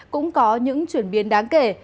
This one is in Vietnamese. cũng có những chuyển biến đáng kể